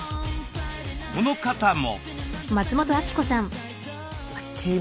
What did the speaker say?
この方も。